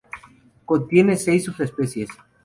Contiene seis subespecies.